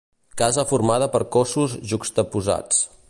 Casa formada per cossos juxtaposats.